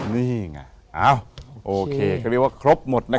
นี่ไงเอาโอเคเขาเรียกว่าครบหมดนะครับ